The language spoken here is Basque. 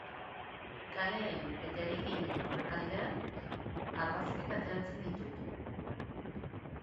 Kaleen eta eraikinen aurrealdeen argazkiak ateratzen ditut.